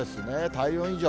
体温以上。